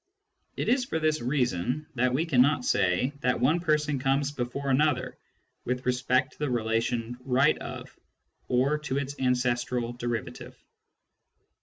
It is for this reason that we cannot say that one person comes before another with respect to the relation " right of " or to its ancestral "derivative.